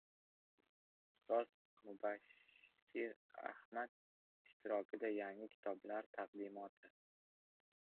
Ustoz Mubashshir Ahmad ishtirokida yangi kitoblar taqdimoti